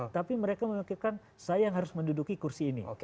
tapi mereka memikirkan saya yang harus menduduki kursi ini